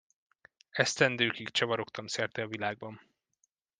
Esztendőkig csavarogtam szerte a világban.